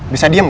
bisa diam gak